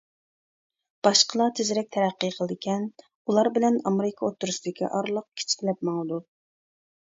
باشقىلار تېزرەك تەرەققىي قىلىدىكەن، ئۇلار بىلەن ئامېرىكا ئوتتۇرىسىدىكى ئارىلىق كىچىكلەپ ماڭىدۇ.